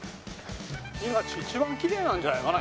今一番きれいなんじゃないかな？